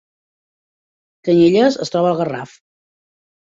Canyelles es troba al Garraf